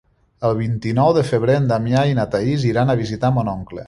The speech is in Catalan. El vint-i-nou de febrer en Damià i na Thaís iran a visitar mon oncle.